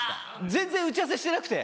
全然打ち合わせしてなくて。